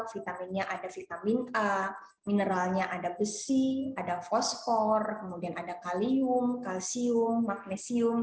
vitaminnya ada vitamin a mineralnya ada besi ada fosfor kemudian ada kalium kalsium magnesium